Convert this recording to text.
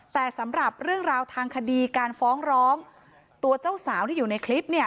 แต่สำหรับเรื่องราวทางคดีการฟ้องร้องตัวเจ้าสาวที่อยู่ในคลิปเนี่ย